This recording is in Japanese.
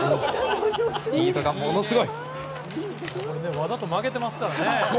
わざと曲げてますからね。